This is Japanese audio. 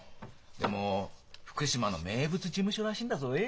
でも福島の名物事務所らしいんだぞい。